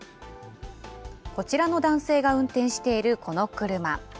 こちらの男性が運転しているこの車。